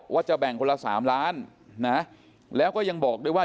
ว่าจะแบ่งคนละ๓ล้านนะแล้วก็ยังบอกด้วยว่า